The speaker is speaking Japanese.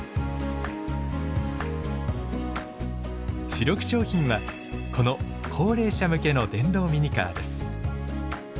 主力商品はこの高齢者向けの電動ミニカーです。